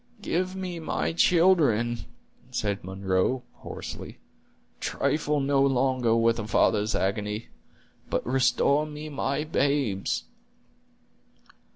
"Give me my children," said Munro, hoarsely; "trifle no longer with a father's agony, but restore me my babes."